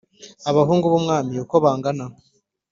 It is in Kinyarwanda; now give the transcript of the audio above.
Abahungu b umwami uko bangana